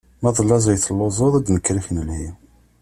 Ma d laẓ ay telluẓeḍ, ad nekker ad ak-nelhi.